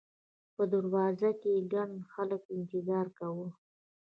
په دروازو کې ګڼ خلک انتظار کاوه.